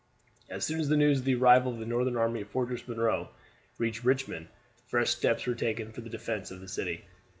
As soon as the news of the arrival of the Northern army at Fortress Monroe reached Richmond fresh steps were taken for the defense of the city.